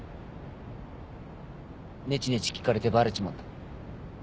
ねちねち聞かれてバレちまった